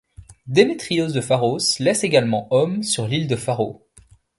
Démétrios de Pharos laisse également hommes sur l'île de Faro.